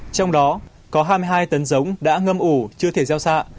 trong đó có hai mươi hai tấn giống đã ngâm ủ chưa thể gieo xạ